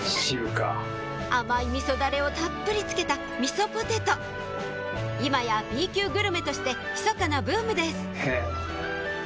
甘いみそダレをたっぷりつけた今やＢ級グルメとしてひそかなブームですどう？